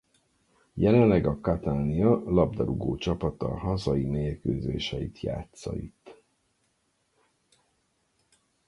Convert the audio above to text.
Jelenleg a Catania labdarúgócsapata hazai mérkőzéseit játssza itt.